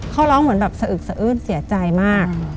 เขาร้องเหมือนแบบสะอึกสะอื้นเสียใจมาก